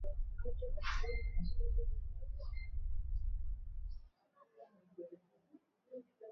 kama vile Pegasus au Candiru ambavyo vinaingilia kwa ndani vifaa vya watu na maisha yao